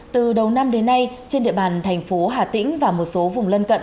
từ đầu năm đến nay trên địa bàn thành phố hà tĩnh và một số vùng lân cận